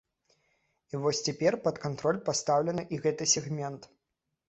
І вось цяпер пад кантроль пастаўлены і гэты сегмент.